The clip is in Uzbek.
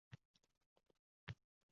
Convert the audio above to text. Karantin: